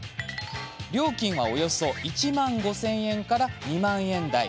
料金はおよそ１万５０００円から２万円台。